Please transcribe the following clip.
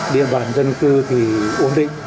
địa bàn dân cư thì ổn định